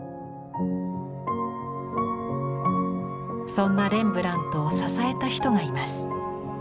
そんなレンブラントを支えた人がいます。